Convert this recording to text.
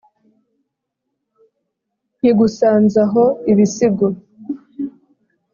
Nkigusanza ho ibisigo.